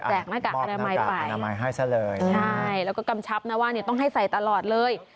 แจกหน้ากากอนามัยไปใช่แล้วก็กำชับนะว่าต้องให้ใส่ตลอดเลย